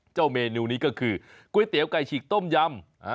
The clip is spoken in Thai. เมนูนี้ก็คือก๋วยเตี๋ยวไก่ฉีกต้มยำ